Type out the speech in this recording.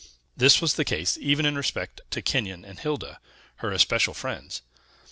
This was the case even in respect to Kenyon and Hilda, her especial friends.